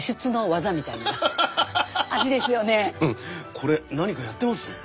これ何かやってます？